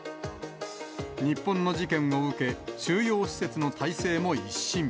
日本の事件を受け、収容施設の体制も一新。